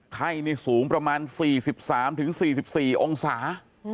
ไข้ในสูงประมาณ๔๓ถึง๔๔องศา